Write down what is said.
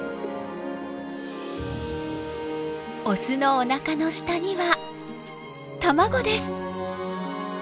オスのおなかの下には卵です。